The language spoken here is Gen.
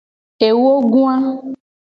Ewogoa.